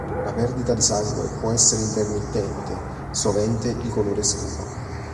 La perdita di sangue può essere intermittente, sovente di colore scuro.